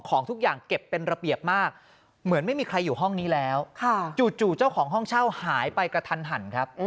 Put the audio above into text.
ของทุกอย่างเก็บเป็นระเบียบมากเหมือนไม่มีใครอยู่ห้องนี้แล้วจู่เจ้าของห้องเช่าหายไปกระทันหันครับ